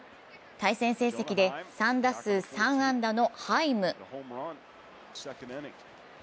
対戦成績で３打数３安打のハイム。